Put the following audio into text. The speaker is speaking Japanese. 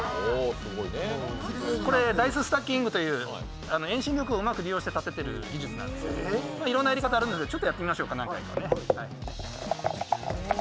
これ、ダイス・スタッキングという遠心力をうまく利用して立ててるんですけどいろんなやり方あるんで何回かやってみましょう。